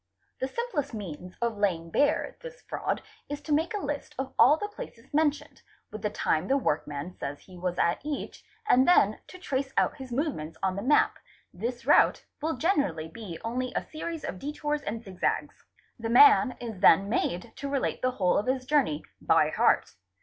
The simplest means of laying bare this fraud is to make a list of all the places mentioned, with the time the workman says he was at each, and then to trace out his movements on the map; this route will generally be only a series of detours and zig zags. The man is then made to relate the whole of his journey, by heart.